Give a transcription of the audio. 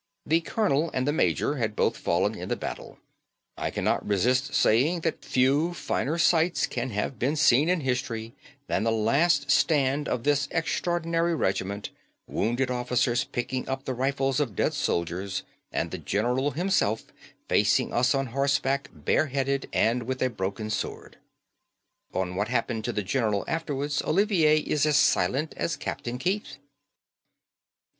The colonel and the major had both fallen in the battle. I cannot resist saying that few finer sights can have been seen in history than the last stand of this extraordinary regiment; wounded officers picking up the rifles of dead soldiers, and the general himself facing us on horseback bareheaded and with a broken sword.' On what happened to the general afterwards Olivier is as silent as Captain Keith."